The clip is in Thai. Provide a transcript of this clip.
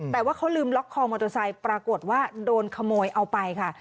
แต่ว่าเขาลืมล็อกคอมอเตอร์ไซค์ปรากฏว่าโดนขโมยเอาไปค่ะ